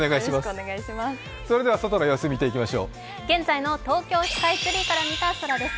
現在の東京スカイツリーから見た空です。